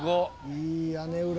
いい屋根裏。